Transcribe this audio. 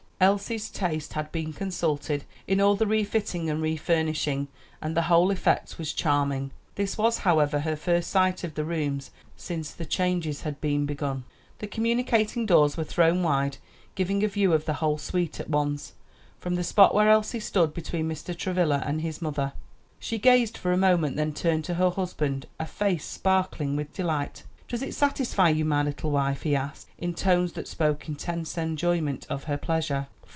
Elsie's taste had been consulted in all the refitting and refurnishing, and the whole effect was charming. This was, however, her first sight of the rooms since the changes had been begun. The communicating doors were thrown wide, giving a view of the whole suite at once, from the spot where Elsie stood between Mr. Travilla and his mother. She gazed for a moment, then turned to her husband a face sparkling with delight. "Does it satisfy you, my little wife?" he asked, in tones that spoke intense enjoyment of her pleasure.